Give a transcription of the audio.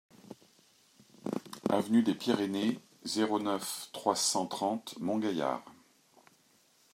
Avenue des Pyrénées, zéro neuf, trois cent trente Montgaillard